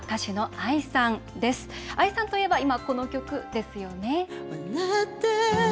ＡＩさんといえば、今、この曲ですよね。